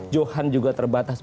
johan juga terbatas